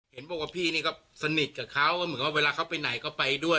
เห็นบอกว่าพี่นี่ก็สนิทกับเขาเหมือนกับเวลาเขาไปไหนก็ไปด้วย